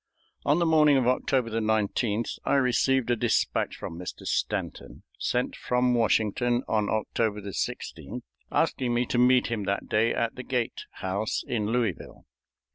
On the morning of October 19th I received a dispatch from Mr. Stanton, sent from Washington on October 16th, asking me to meet him that day at the Gait House in Louisville.